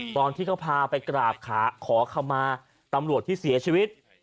ตอนที่เขาพาไปกราบขาขอขมาตำรวจที่เสียชีวิต